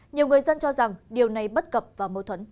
nhiều người dân cho rằng điều này bất cập và mâu thuẫn